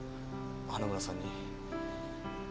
花村さんに。